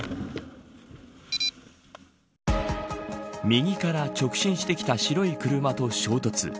右から直進してきた白い車と衝突。